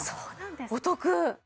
お得！